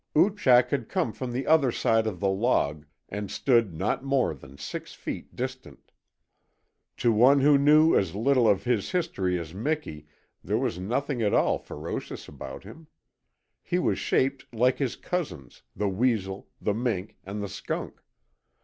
Oochak had come from the other side of the log, and stood not more than six feet distant. To one who knew as little of his history as Miki there was nothing at all ferocious about him. He was shaped like his cousins, the weazel, the mink, and the skunk.